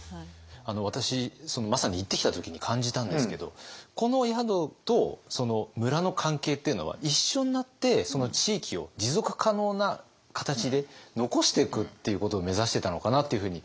私まさに行ってきた時に感じたんですけどこの宿と村の関係っていうのは一緒になってその地域を持続可能な形で残していくっていうことを目指してたのかなというふうに。